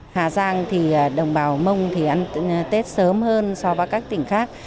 hà giang đồng bào mông ăn tết sớm hơn so với các tỉnh khác